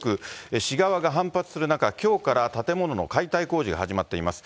市側が反発する中、きょうから建物の解体工事が始まっています。